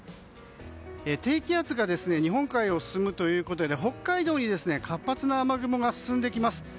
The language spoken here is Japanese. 低気圧が日本海を進むということで北海道に活発な雨雲が進んできます。